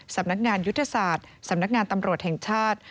สำนักงานยุทธศาสตร์สำนักงานตำรวจแห่งชาติ